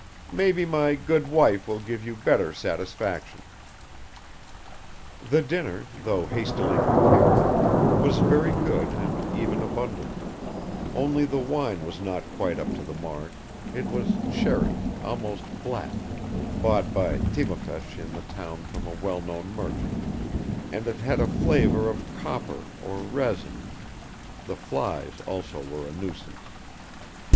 Maybe my good wife will give you better satisfaction." The dinner, though hastily prepared, was very good and even abundant; only the wine was not quite up to the mark; it was sherry, almost black, bought by Timofeich in the town from a well known merchant, and it had a flavor of copper or resin; the flies also were a nuisance.